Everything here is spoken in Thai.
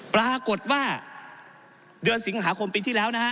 ปรากฏว่าเดือนสิงหาคมปีที่แล้วนะฮะ